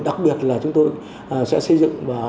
đặc biệt là chúng tôi sẽ xây dựng